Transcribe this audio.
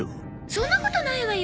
そんなことないわよ。